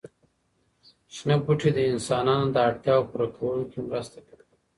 شنه بوټي د انسانانو د اړتیاوو پوره کولو کې مرسته کوي.